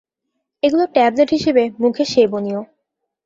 এগুলো ট্যাবলেট হিসেবে মুখে সেবনীয়।